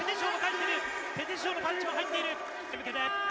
ペテシオのパンチも入っている。